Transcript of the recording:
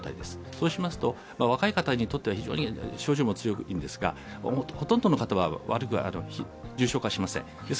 そうしますと、若い方にとっては非常に症状も強いんですが、ほとんどの方は重症化しません。